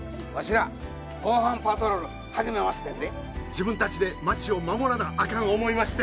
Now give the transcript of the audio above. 自分たちで町を守らなあかん思いまして。